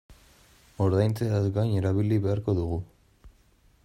Ordaintzeaz gain erabili beharko dugu.